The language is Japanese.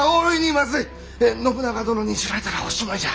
信長殿に知られたらおしまいじゃ。